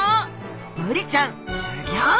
ブリちゃんすギョい！